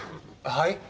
はい？